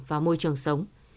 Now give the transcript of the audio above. và môi trường sống